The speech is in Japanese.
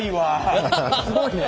すごいね。